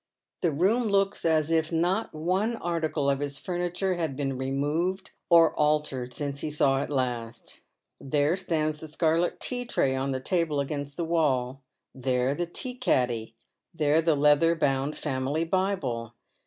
The room looks as if not one article of its furniture had been removed or altered since he saw it last. There stands the scarlet tea tray on the table against the wall — there the tea caddy — there the leather bound family Bible.